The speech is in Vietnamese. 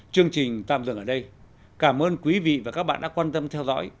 chương trình tạm dừng ở đây cảm ơn quý vị và các bạn đã quan tâm theo dõi